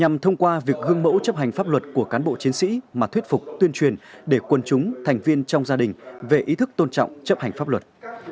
nhằm thông qua việc gương mẫu chấp hành pháp luật của cán bộ chiến sĩ mà thuyết phục tuyên truyền để quân chúng thành viên trong gia đình về ý thức tôn trọng chấp hành pháp luật